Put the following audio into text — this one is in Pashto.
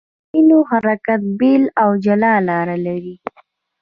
د وینو حرکت بېل او جلا لار لري.